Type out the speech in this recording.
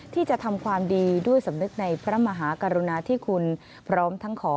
ที่จะทำความดีด้วยสำนึกในพระมหากรุณาที่คุณพร้อมทั้งขอ